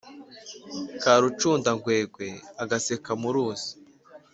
Karacunda ngwegwe-Agaseke mu ruzi.